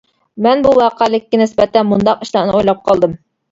مەن بۇ ۋەقەلىككە نىسبەتەن مۇنداق ئىشلارنى ئويلاپ قالدىم.